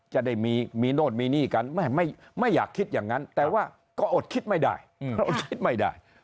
จะได้มีโนสแล้วไม่นี่กันไม่อยากคิดอย่างงั้นแต่ว่าก็อดคิดไม่ได้